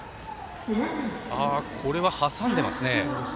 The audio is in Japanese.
これは挟んでますね。